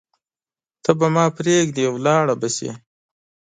ته به ما پریږدې ولاړه به شې